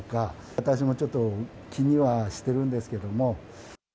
私もちょっと気にはしてるんですけども。